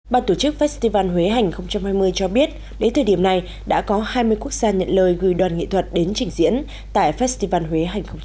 ban tổ chức festival huế hành hai mươi cho biết đến thời điểm này đã có hai mươi quốc gia nhận lời gửi đoàn nghệ thuật đến trình diễn tại festival huế hai nghìn hai mươi